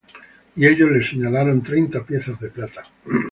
Y ellos le señalaron treinta piezas de plata.